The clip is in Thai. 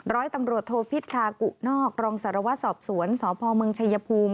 ร้อยตำรวจโทพิชชากุนอกรองสารวัตรสอบสวนสพเมืองชายภูมิ